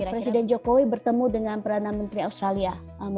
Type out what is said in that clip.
presiden jokowi bertemu dengan perdana menteri australia